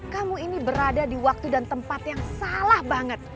kamu ini berada di waktu dan tempat yang salah banget